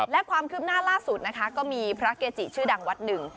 และความคืบหน้าล่าสุดนะคะก็มีพระเกจิชื่อดังวัดหนึ่ง